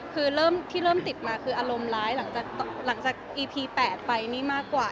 คือเริ่มที่เริ่มติดมาคืออารมณ์ร้ายหลังจากอีพี๘ไปนี่มากกว่า